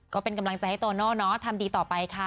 ก็เป็นกำลังใจให้โตโน่เนอะทำดีต่อไปค่ะ